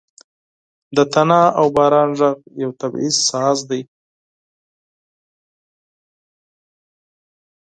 • د تندر او باران ږغ یو طبیعي ساز دی.